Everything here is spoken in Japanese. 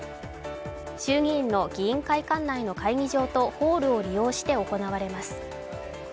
衆議院の議員会館内の会議場とホールを利用して行われます。